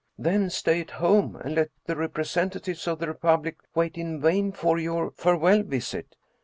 " Then stay at home, and let the representatives of the Republic wait in vain for your farewell visit.